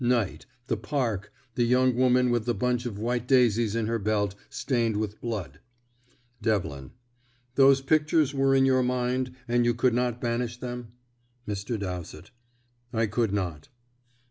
Night the park the young woman with the bunch of white daisies in her belt stained with blood." Devlin: "Those pictures were in your mind, and you could not banish them?" Mr. Dowsett: "I could not."